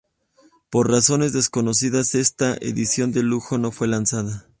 Por razones desconocidas, esta edición de lujo no fue lanzada.